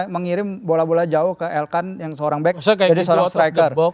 mengirim bola bola jauh ke elkan yang seorang back jadi seorang striker